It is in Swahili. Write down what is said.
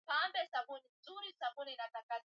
Anaandika insha